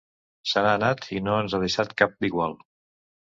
Se n'ha anat, i no ens ha deixat cap d'igual.